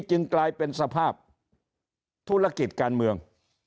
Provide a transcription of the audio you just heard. จึงกลายเป็นสภาพธุรกิจการเมือง